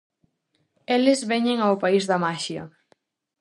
Eles veñen ao país da maxia.